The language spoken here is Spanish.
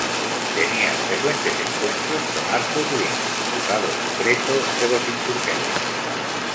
Tenía frecuentes encuentros con Arthur Lee, diputado secreto de los insurgentes.